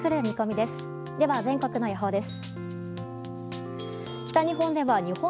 では、全国の予報です。